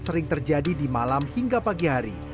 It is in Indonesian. sering terjadi di malam hingga pagi hari